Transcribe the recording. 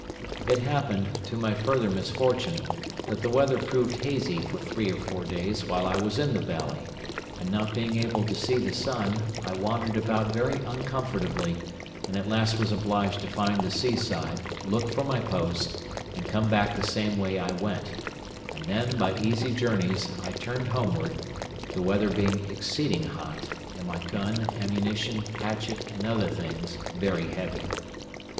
It happened, to my further misfortune, that the weather proved hazy for three or four days while I was in the valley, and not being able to see the sun, I wandered about very uncomfortably, and at last was obliged to find the seaside, look for my post, and come back the same way I went: and then, by easy journeys, I turned homeward, the weather being exceeding hot, and my gun, ammunition, hatchet, and other things very heavy.